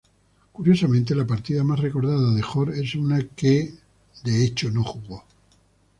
Curiosamente la partida más recordada de Hort es una que, de hecho, no jugó.